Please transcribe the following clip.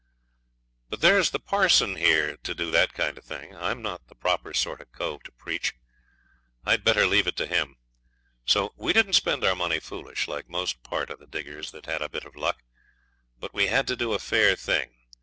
But there's the parson here to do that kind of thing. I'm not the proper sort of cove to preach. I'd better leave it to him. So we didn't spend our money foolish, like most part of the diggers that had a bit of luck; but we had to do a fair thing.